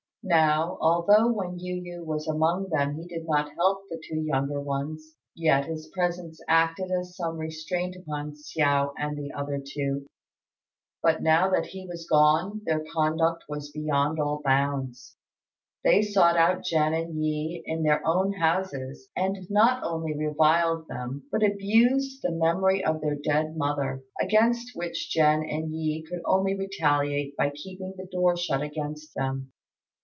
Now, although when Yu yü was among them he did not help the two younger ones, yet his presence acted as some restraint upon Hsiao and the other two; but now that he was gone their conduct was beyond all bounds. They sought out Jen and Yi in their own houses, and not only reviled them, but abused the memory of their dead mother, against which Jen and Yi could only retaliate by keeping the door shut against them.